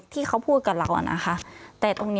พี่เรื่องมันยังไงอะไรยังไง